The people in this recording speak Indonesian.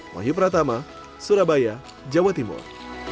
wahyu pratama surabaya jawa timur